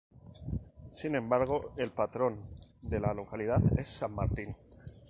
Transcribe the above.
Sin embargo el patrón de la localidad es San Martín.